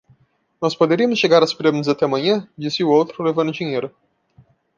"Nós poderíamos chegar às Pirâmides até amanhã?" disse o outro? levando o dinheiro.